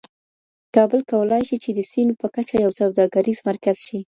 کابل کولای شي چي د سیمي په کچه یو سوداګریز مرکز شي.